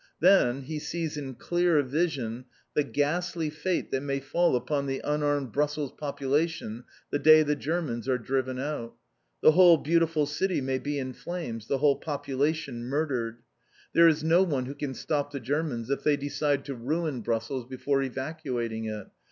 Then, he sees in clear vision, the ghastly fate that may fall upon the unarmed Brussels population the day the Germans are driven out. The whole beautiful city may be in flames, the whole population murdered. There is no one who can stop the Germans if they decide to ruin Brussels before evacuating it.